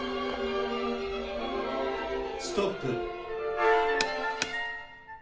ストップ。